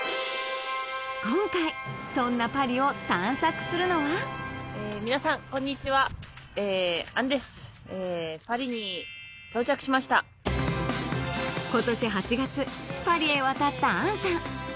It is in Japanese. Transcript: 今回そんなパリを探索するのは今年８月パリへ渡った杏さん